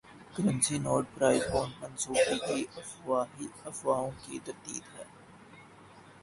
currency note prize bonds منسوخی کی افواہوں کی تردید